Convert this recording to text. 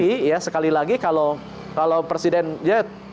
tapi ya sekali lagi kalau presiden ya